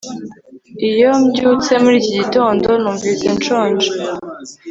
Iyo mbyutse muri iki gitondo numvise nshonje